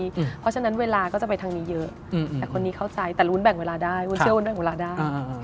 เพราะฉะนั้นเวลาก็จะไปทางนี้เยอะแต่คนนี้เข้าใจแต่วุ้นแบ่งเวลาได้วุ้นเชื่อวุ้นด้วยเวลาได้